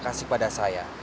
terima kasih pada saya